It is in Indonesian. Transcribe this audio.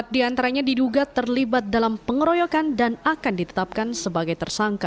empat diantaranya diduga terlibat dalam pengeroyokan dan akan ditetapkan sebagai tersangka